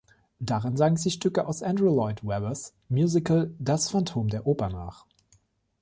Darin sang sie Stücke aus Andrew Lloyd Webbers Musical Das Phantom der Oper nach.